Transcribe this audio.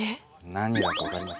何だか分かります？